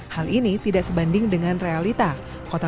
hal ini tidak sebanding dengan realita kota